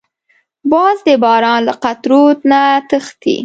باز د باران له قطرو نه تښتي